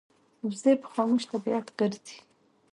وزې په خاموش طبیعت ګرځي